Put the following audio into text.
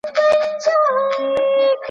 نیمي مړۍ ته تر بازاره یوسي